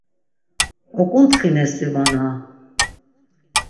Oǩuntxinesi vana?